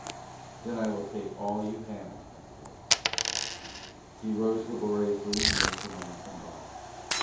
"Then I will take all you have," I said. He rose laboriously and looked among some bottles.